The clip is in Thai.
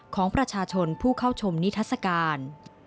ของประชาชนผู้เข้าชมนิทัศกาล